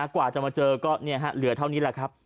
กว่าจะมาเจอก็เหลือเท่านี้แหละครับ